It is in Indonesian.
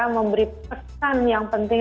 memberi pesan yang penting